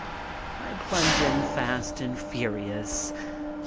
I plunge in fast and furious.